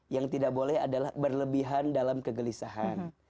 yang tidak boleh adalah berlebihan dalam kegelisahan